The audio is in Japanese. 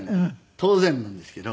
当然なんですけど。